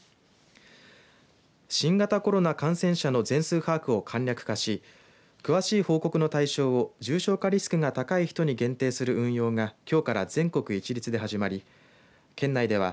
新型コロナ感染者の全数把握を簡略化し詳しい報告の対象を重症化リスクが高い人に限定する運用がきょうから全国一律で始まり県内では